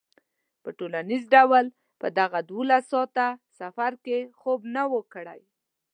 په ټولیز ډول په دغه دولس ساعته سفر کې خوب نه و کړی.